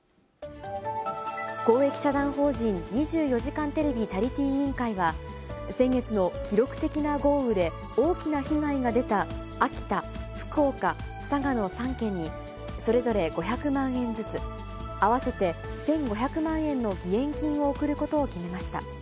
公益社団法人２４時間テレビチャリティー委員会は、先月の記録的な豪雨で大きな被害が出た秋田、福岡、佐賀の３県に、それぞれ５００万円ずつ、合わせて１５００万円の義援金を送ることを決めました。